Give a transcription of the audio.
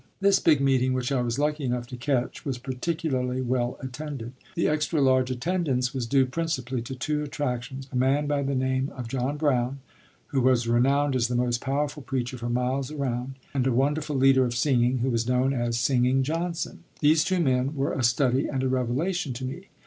This big meeting which I was lucky enough to catch was particularly well attended; the extra large attendance was due principally to two attractions, a man by the name of John Brown, who was renowned as the most powerful preacher for miles around; and a wonderful leader of singing, who was known as "Singing Johnson." These two men were a study and a revelation to me.